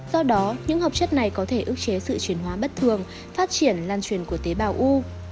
do đó những hợp chất này có thể ước chế sự chuyển hóa bất thường phát triển lan truyền của tế bào u